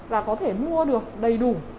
là có thể mua được đầy đủ